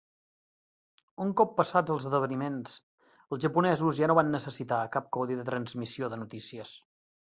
Un cop passats els esdeveniments, els japonesos ja no van necessitar cap codi de transmissió de notícies.